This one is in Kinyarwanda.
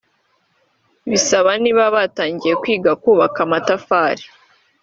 Bisaba niba batangiye kwiga kubaka amatafari